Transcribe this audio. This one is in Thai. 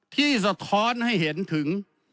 สะท้อนให้เห็นถึง